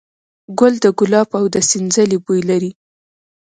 ګل د ګلاب او د سنځلې بوی لري.